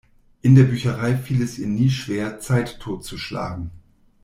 In der Bücherei fiel es ihr nie schwer, Zeit totzuschlagen.